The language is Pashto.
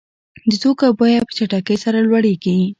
د توکو بیه په ډېره چټکۍ سره لوړېږي